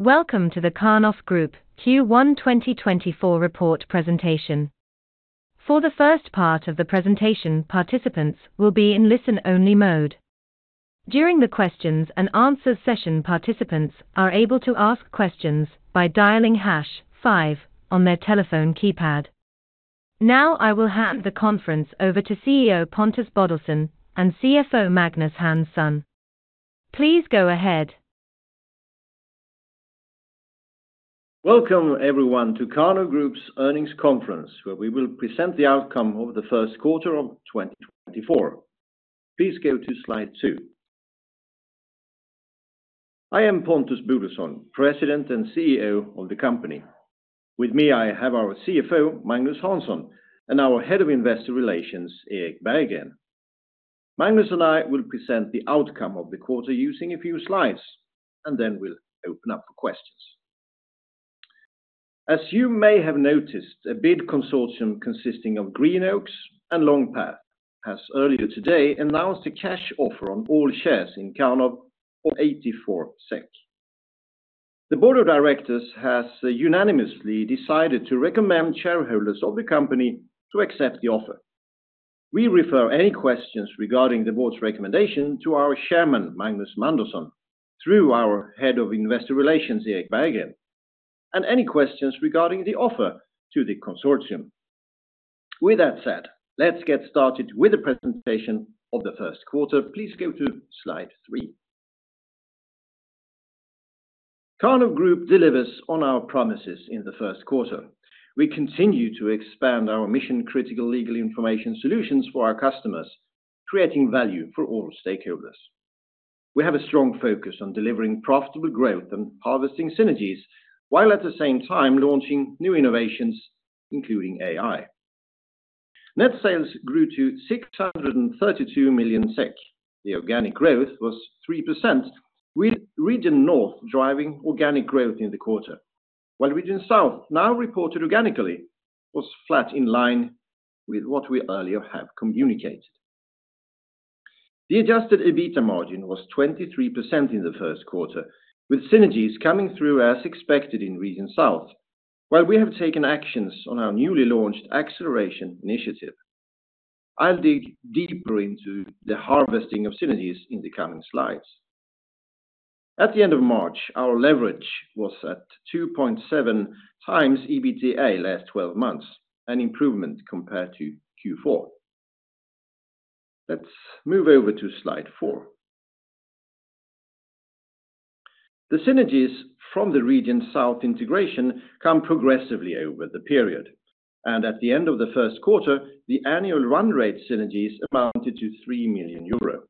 Welcome to the Karnov Group Q1 2024 report presentation. For the first part of the presentation, participants will be in listen-only mode. During the questions and answers session, participants are able to ask questions by dialing hash five on their telephone keypad. Now, I will hand the conference over to CEO Pontus Bodelsson and CFO Magnus Hansson. Please go ahead. Welcome everyone to Karnov Group's earnings conference, where we will present the outcome of the first quarter of 2024. Please go to slide two. I am Pontus Bodelsson, President and CEO of the company. With me, I have our CFO, Magnus Hansson, and our Head of Investor Relations, Erik Berggren. Magnus and I will present the outcome of the quarter using a few slides, and then we'll open up for questions. As you may have noticed, a bid consortium consisting of Greenoaks and Long Path has earlier today announced a cash offer on all shares in Karnov of 84 SEK. The board of directors has unanimously decided to recommend shareholders of the company to accept the offer. We refer any questions regarding the board's recommendation to our chairman, Magnus Mandersson, through our Head of Investor Relations, Erik Berggren, and any questions regarding the offer to the consortium. With that said, let's get started with the presentation of the first quarter. Please go to slide three. Karnov Group delivers on our promises in the first quarter. We continue to expand our mission-critical legal information solutions for our customers, creating value for all stakeholders. We have a strong focus on delivering profitable growth and harvesting synergies, while at the same time launching new innovations, including AI. Net sales grew to 632 million SEK. The organic growth was 3%, with Region North driving organic growth in the quarter, while Region South, now reported organically, was flat in line with what we earlier have communicated. The adjusted EBITDA margin was 23% in the first quarter, with synergies coming through as expected in Region South, while we have taken actions on our newly launched acceleration initiative. I'll dig deeper into the harvesting of synergies in the coming slides. At the end of March, our leverage was at 2.7 times EBITDA last 12 months, an improvement compared to Q4. Let's move over to slide four. The synergies from the Region South integration come progressively over the period, and at the end of the first quarter, the annual run rate synergies amounted to 3 million euro.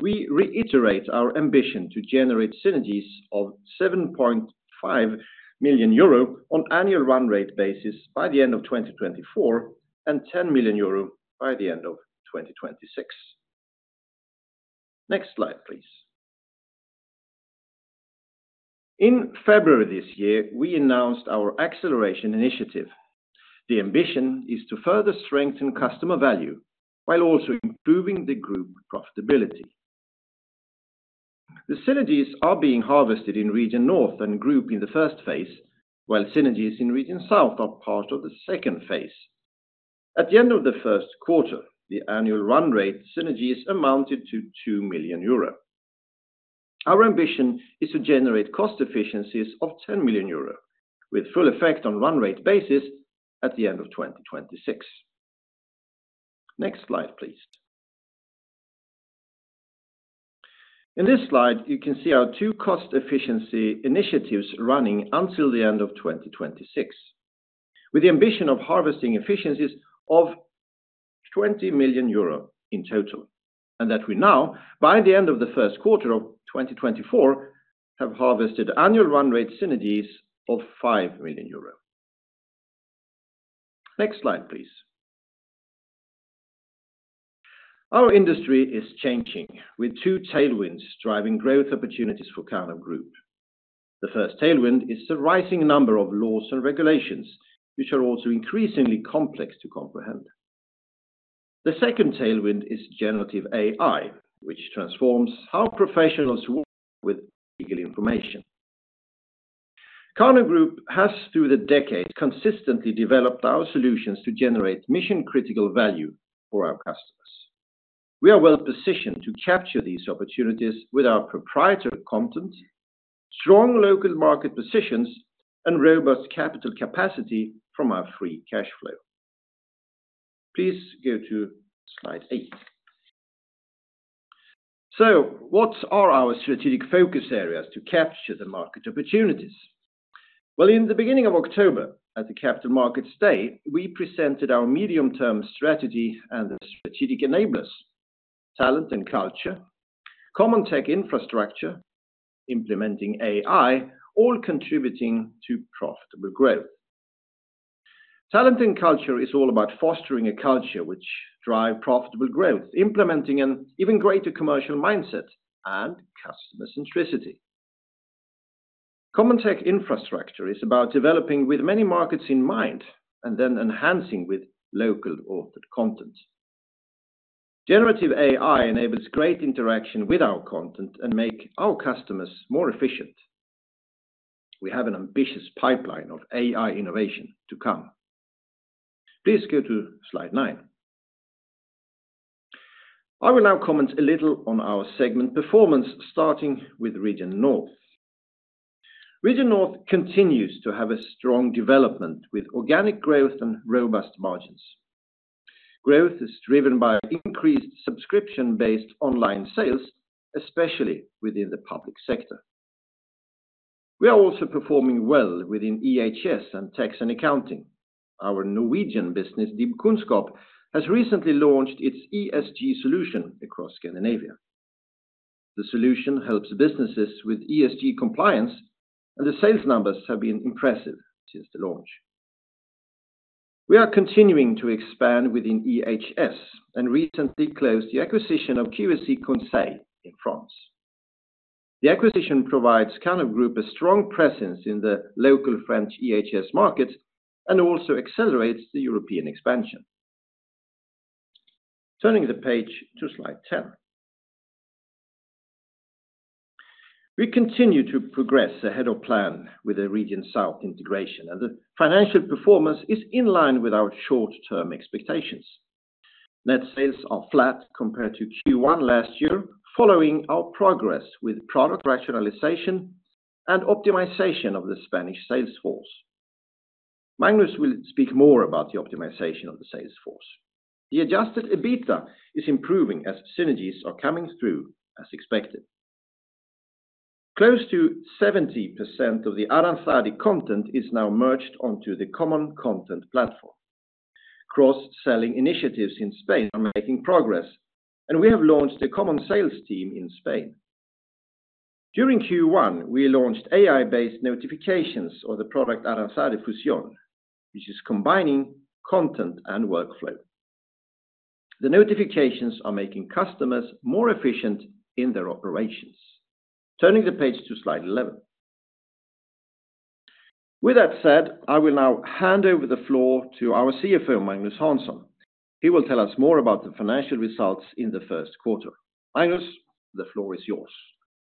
We reiterate our ambition to generate synergies of 7.5 million euro on annual run rate basis by the end of 2024, and 10 million euro by the end of 2026. Next slide, please. In February this year, we announced our acceleration initiative. The ambition is to further strengthen customer value while also improving the group profitability. The synergies are being harvested in Region North and Group in the first phase, while synergies in Region South are part of the second phase. At the end of the first quarter, the annual run rate synergies amounted to 2 million euro. Our ambition is to generate cost efficiencies of 10 million euro, with full effect on run rate basis at the end of 2026. Next slide, please. In this slide, you can see our two cost efficiency initiatives running until the end of 2026, with the ambition of harvesting efficiencies of 20 million euro in total, and that we now, by the end of the first quarter of 2024, have harvested annual run rate synergies of 5 million euro. Next slide, please. Our industry is changing, with two tailwinds driving growth opportunities for Karnov Group. The first tailwind is the rising number of laws and regulations, which are also increasingly complex to comprehend. The second tailwind is generative AI, which transforms how professionals work with legal information. Karnov Group has, through the decade, consistently developed our solutions to generate mission-critical value for our customers. We are well-positioned to capture these opportunities with our proprietary content, strong local market positions, and robust capital capacity from our free cash flow. Please go to slide eight. So what are our strategic focus areas to capture the market opportunities? Well, in the beginning of October, at the Capital Markets Day, we presented our medium-term strategy and the strategic enablers: talent and culture, common tech infrastructure, implementing AI, all contributing to profitable growth. Talent and culture is all about fostering a culture which drive profitable growth, implementing an even greater commercial mindset and customer centricity. Common tech infrastructure is about developing with many markets in mind and then enhancing with local authored content... Generative AI enables great interaction with our content and make our customers more efficient. We have an ambitious pipeline of AI innovation to come. Please go to slide nine. I will now comment a little on our segment performance, starting with Region North. Region North continues to have a strong development with organic growth and robust margins. Growth is driven by increased subscription-based online sales, especially within the public sector. We are also performing well within EHS and tax and accounting. Our Norwegian business, DIBkunnskap, has recently launched its ESG solution across Scandinavia. The solution helps businesses with ESG compliance, and the sales numbers have been impressive since the launch. We are continuing to expand within EHS, and recently closed the acquisition of QSE Conseil in France. The acquisition provides Karnov Group a strong presence in the local French EHS market and also accelerates the European expansion. Turning the page to slide 10. We continue to progress ahead of plan with the Region South integration, and the financial performance is in line with our short-term expectations. Net sales are flat compared to Q1 last year, following our progress with product rationalization and optimization of the Spanish sales force. Magnus will speak more about the optimization of the sales force. The Adjusted EBITDA is improving as synergies are coming through as expected. Close to 70% of the Aranzadi content is now merged onto the common content platform. Cross-selling initiatives in Spain are making progress, and we have launched a common sales team in Spain. During Q1, we launched AI-based notifications or the product Aranzadi Fusión, which is combining content and workflow. The notifications are making customers more efficient in their operations. Turning the page to slide 11. With that said, I will now hand over the floor to our CFO, Magnus Hansson. He will tell us more about the financial results in the first quarter. Magnus, the floor is yours.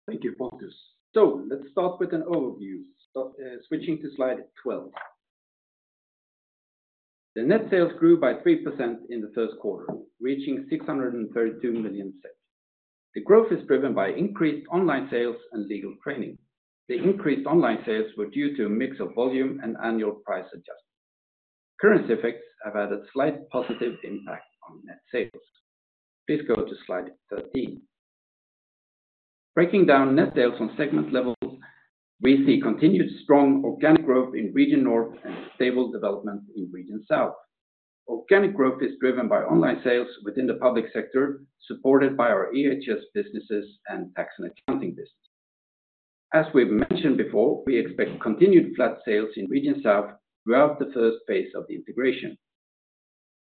Thank you, Pontus. So let's start with an overview. So, switching to slide 12. The net sales grew by 3% in the first quarter, reaching 632 million. The growth is driven by increased online sales and legal training. The increased online sales were due to a mix of volume and annual price adjustments. Currency effects have added slight positive impact on net sales. Please go to slide 13. Breaking down net sales on segment levels, we see continued strong organic growth in Region North and stable development in Region South. Organic growth is driven by online sales within the public sector, supported by our EHS businesses and tax and accounting business. As we've mentioned before, we expect continued flat sales in Region South throughout the first phase of the integration.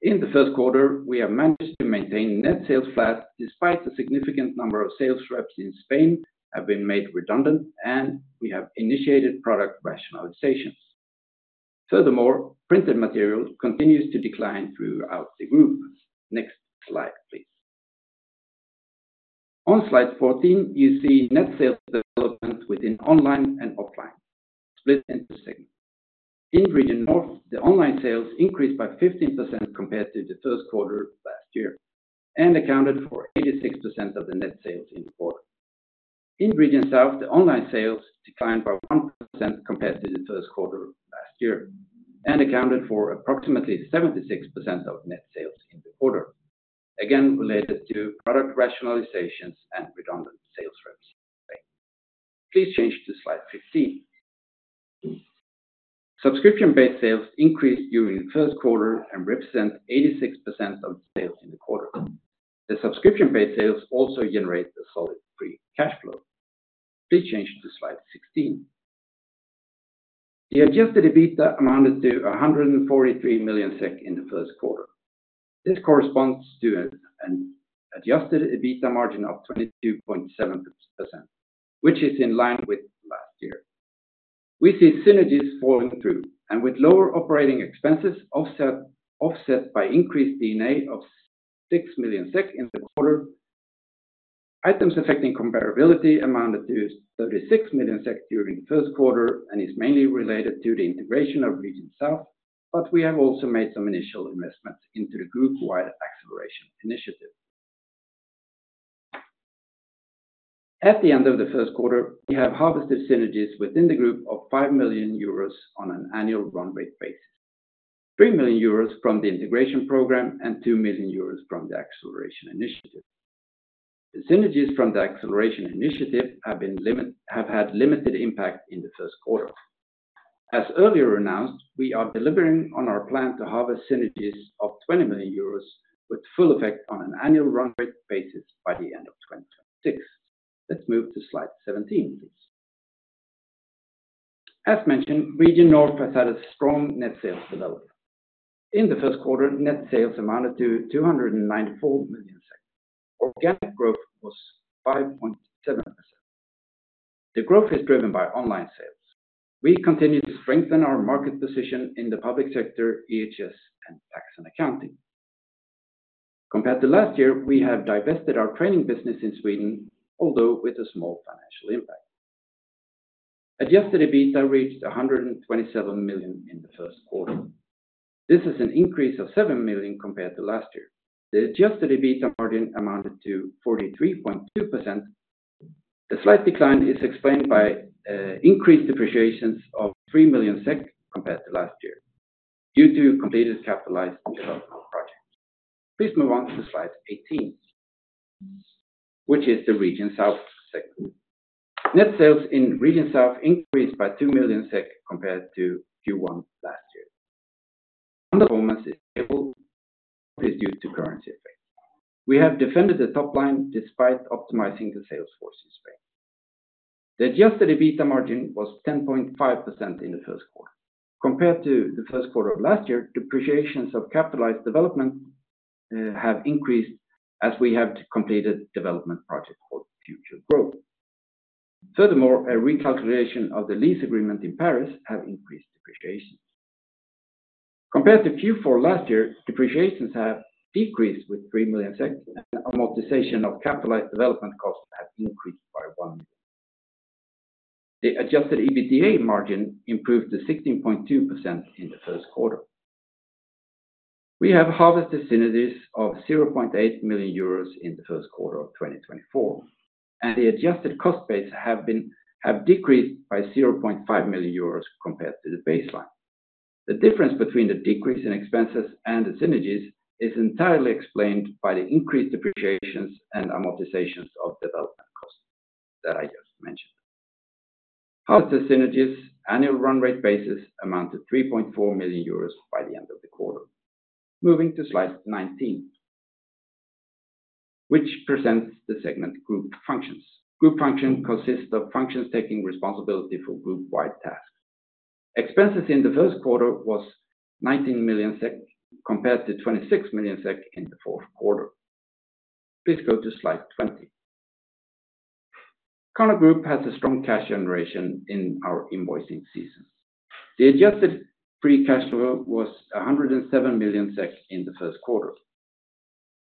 In the first quarter, we have managed to maintain net sales flat, despite the significant number of sales reps in Spain have been made redundant, and we have initiated product rationalizations. Furthermore, printed material continues to decline throughout the group. Next slide, please. On slide 14, you see net sales development within online and offline, split into segments. In Region North, the online sales increased by 15% compared to the first quarter last year, and accounted for 86% of the net sales in the quarter. In Region South, the online sales declined by 1% compared to the first quarter last year, and accounted for approximately 76% of net sales in the quarter. Again, related to product rationalizations and redundant sales reps. Please change to slide 15. Subscription-based sales increased during the first quarter and represent 86% of sales in the quarter. The subscription-based sales also generate a solid free cash flow. Please change to slide 16. The adjusted EBITDA amounted to 143 million SEK in the first quarter. This corresponds to an adjusted EBITDA margin of 22.7%, which is in line with last year. We see synergies falling through, and with lower operating expenses, offset by increased D&A of 6 million SEK in the quarter. Items affecting comparability amounted to 36 million SEK during the first quarter and is mainly related to the integration of Region South, but we have also made some initial investments into the group-wide acceleration initiative. At the end of the first quarter, we have harvested synergies within the group of 5 million euros on an annual run rate basis, 3 million euros from the integration program and 2 million euros from the acceleration initiative. The synergies from the acceleration initiative have been limited impact in the first quarter. As earlier announced, we are delivering on our plan to harvest synergies of 20 million euros with full effect on an annual run rate basis by the end of 2026. Let's move to slide 17, please. As mentioned, Region North has had a strong net sales development. In the first quarter, net sales amounted to 294 million. Organic growth was 5.7%. The growth is driven by online sales. We continue to strengthen our market position in the public sector, EHS, and tax and accounting. Compared to last year, we have divested our training business in Sweden, although with a small financial impact. Adjusted EBITDA reached 127 million in the first quarter. This is an increase of 7 million compared to last year. The adjusted EBITDA margin amounted to 43.2%. The slight decline is explained by increased depreciations of 3 million SEK compared to last year, due to completed capitalized development projects. Please move on to slide 18, which is the Region South segment. Net sales in Region South increased by 2 million SEK compared to Q1 last year. is due to currency effect. We have defended the top line despite optimizing the sales force in Spain. The adjusted EBITDA margin was 10.5% in the first quarter. Compared to the first quarter of last year, depreciations of capitalized development have increased as we have completed development projects for future growth. Furthermore, a recalculation of the lease agreement in Paris have increased depreciations. Compared to Q4 last year, depreciations have decreased with 3 million, and amortization of capitalized development costs have increased by 1 million. The adjusted EBITDA margin improved to 16.2% in the first quarter. We have harvested synergies of 0.8 million euros in the first quarter of 2024, and the adjusted cost base have decreased by 0.5 million euros compared to the baseline. The difference between the decrease in expenses and the synergies is entirely explained by the increased depreciations and amortizations of development costs that I just mentioned. Harvested synergies annual run rate basis amounted 3.4 million euros by the end of the quarter. Moving to slide 19, which presents the segment group functions. Group function consists of functions taking responsibility for group-wide tasks. Expenses in the first quarter was 19 million SEK, compared to 26 million SEK in the fourth quarter. Please go to slide 20. Karnov Group has a strong cash generation in our invoicing season. The adjusted free cash flow was 107 million SEK in the first quarter.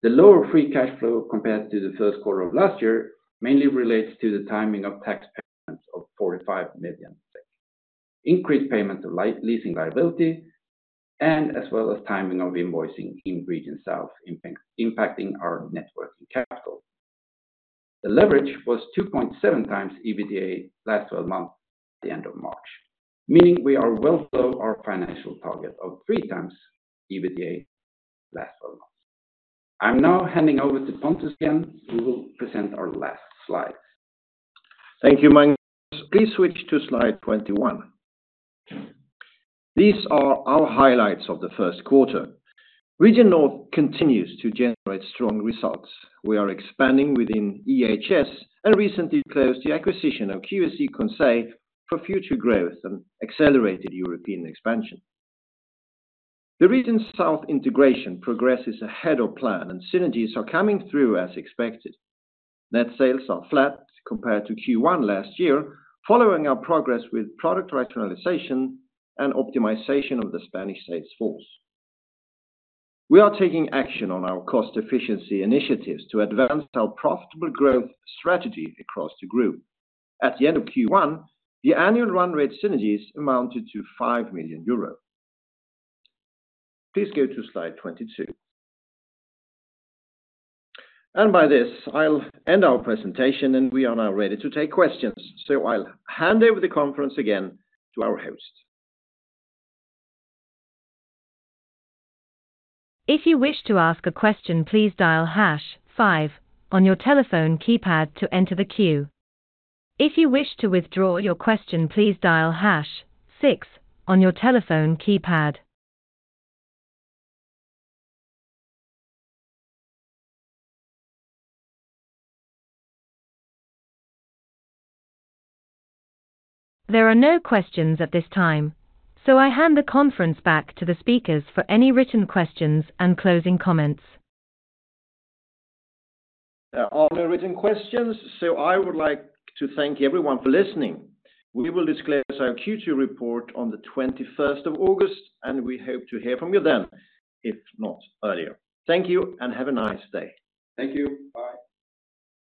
The lower free cash flow compared to the first quarter of last year mainly relates to the timing of tax payments of 45 million, increased payment of leasing liability, and as well as timing of invoicing in Region South, impacting our net working capital. The leverage was 2.7 times EBITDA last twelve months at the end of March, meaning we are well below our financial target of three times EBITDA last twelve months. I'm now handing over to Pontus again, who will present our last slide. Thank you, Magnus. Please switch to slide 21. These are our highlights of the first quarter. Region North continues to generate strong results. We are expanding within EHS and recently closed the acquisition of QSE Conseil for future growth and accelerated European expansion. The Region South integration progresses ahead of plan, and synergies are coming through as expected. Net sales are flat compared to Q1 last year, following our progress with product rationalization and optimization of the Spanish sales force. We are taking action on our cost efficiency initiatives to advance our profitable growth strategy across the group. At the end of Q1, the annual run rate synergies amounted to 5 million euros. Please go to slide 22. By this, I'll end our presentation, and we are now ready to take questions, so I'll hand over the conference again to our host. If you wish to ask a question, please dial hash five on your telephone keypad to enter the queue. If you wish to withdraw your question, please dial hash six on your telephone keypad. There are no questions at this time, so I hand the conference back to the speakers for any written questions and closing comments. There are no written questions, so I would like to thank everyone for listening. We will disclose our Q2 report on the 21st of August, and we hope to hear from you then, if not earlier. Thank you and have a nice day. Thank you. Bye.